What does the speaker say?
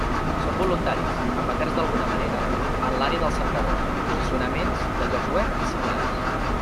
Som voluntaris, amateurs d'alguna manera, en l'àrea de cercadors, posicionaments de llocs web i similars.